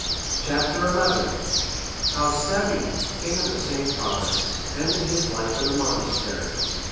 Chap. XI. How Sebbi, king of the same province, ended his life in a monastery.